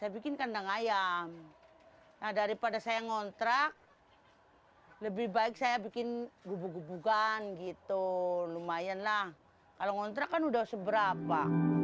bukan gitu lumayan lah kalau ngontrak kan udah seberapa